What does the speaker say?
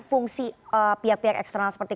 fungsi pihak pihak eksternal seperti